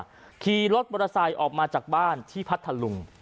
คือพอขีรถประสาทออกมาจากบ้านที่พรรษลุง